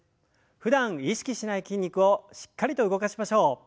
ふだん意識しない筋肉をしっかりと動かしましょう。